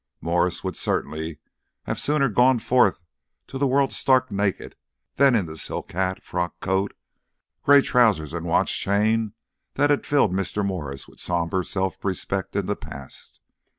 Mwres would certainly have sooner gone forth to the world stark naked than in the silk hat, frock coat, grey trousers and watch chain that had filled Mr. Morris with sombre self respect in the past.